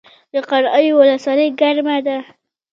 د قرغیو ولسوالۍ ګرمه ده